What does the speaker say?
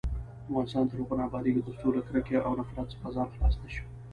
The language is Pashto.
افغانستان تر هغو نه ابادیږي، ترڅو له کرکې او نفرت څخه خلاص نشو.